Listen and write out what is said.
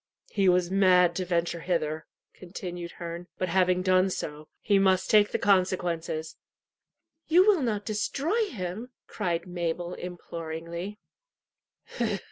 "He was mad to venture hither," continued Herne; "but having done so, he must take the consequences." "You will not destroy him?" cried Mabel imploringly.